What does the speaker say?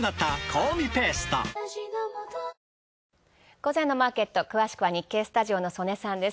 午前のマーケット詳しくは日経スタジオの曽根さんです。